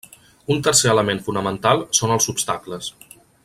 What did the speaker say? Un tercer element fonamental són els obstacles.